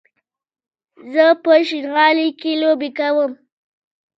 زه په شينغالي کې لوبې کوم